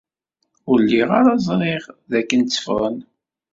Ur lliɣ ara ẓriɣ dakken tteffɣen.